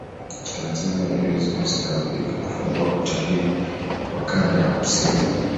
Tanzania haiwezi kusahaulika kufungua utalii wa kanda ya kusini